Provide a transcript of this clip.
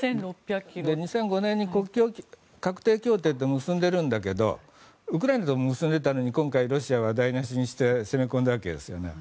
２００５年に国境画定協定というのを結んでいるんだけどウクライナと結んでいたのに今回ロシアは台無しにして攻め込んだわけですよね。